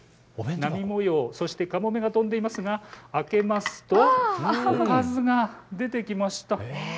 波模様、そしてかもめが飛んでいますが開けてみますとおかずが出てきました。